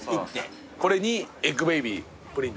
これにエッグベイビープリン。